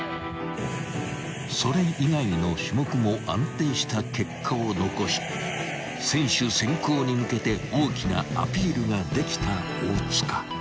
［それ以外の種目も安定した結果を残し選手選考に向けて大きなアピールができた大塚］